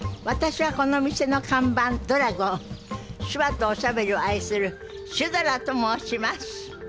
私はこの店の看板ドラゴン手話とおしゃべりを愛するシュドラと申します。